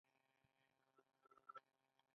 د انسان غوږونه هیڅکله خوب نه کوي.